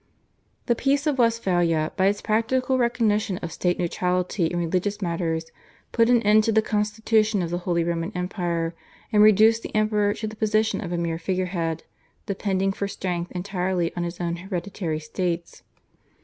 The Peace of Westphalia by its practical recognition of state neutrality in religious matters put an end to the constitution of the Holy Roman Empire, and reduced the Emperor to the position of a mere figurehead, depending for strength entirely on his own hereditary states.